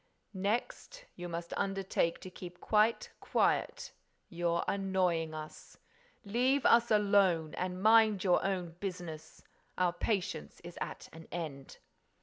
"Next, you must undertake to keep quite quiet. You're annoying us. Leave us alone and mind your own business. Our patience is at an end."